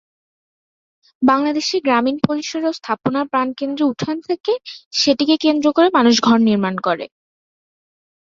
বাংলাদেশের গ্রামীণ পরিসরে ও স্থাপনার প্রাণকেন্দ্রে উঠান থাকে, সেটিকে কেন্দ্র করে মানুষ ঘর নির্মাণ করে।